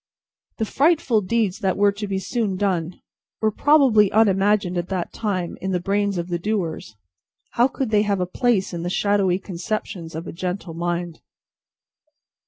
The frightful deeds that were to be soon done, were probably unimagined at that time in the brains of the doers. How could they have a place in the shadowy conceptions of a gentle mind?